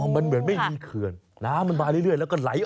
มันเหมือนไม่มีเขื่อนน้ำมันมาเรื่อยแล้วก็ไหลออก